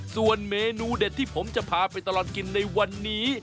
ส่วนเมนูเด็ดที่ผมจะพาไปตลอดกินในวันนี้